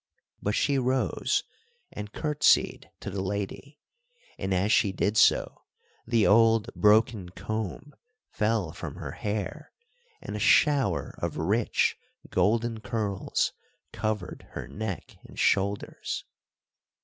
But she rose and courtesied to the lady, and, as she did so, the old broken comb fell from her hair, and a shower of rich golden curls covered her neck and shoulders.